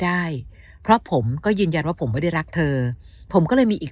ได้เพราะผมก็ยืนยันว่าผมไม่ได้รักเธอผมก็เลยมีอีก